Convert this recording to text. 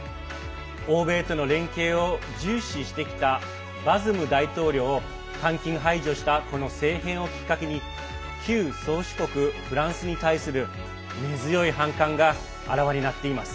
欧米との連携を重視してきたバズム大統領を監禁・排除したこの政変をきっかけに旧宗主国フランスに対する根強い反感があらわになっています。